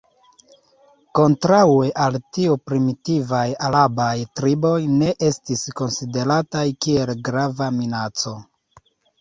Kontraŭe al tio primitivaj arabaj triboj ne estis konsiderataj kiel grava minaco.